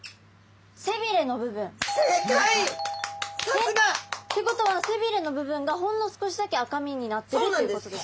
これはさすが！ってことは背びれの部分がほんの少しだけ赤身になってるっていうことですか？